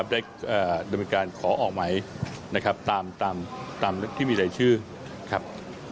ได้ดำเนินการขอออกไหมตามที่มีใดชื่อครับ